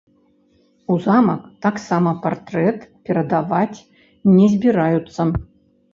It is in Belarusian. У замак таксама партрэт перадаваць не збіраюцца.